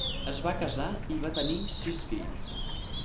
Es va casar i va tenir sis fills.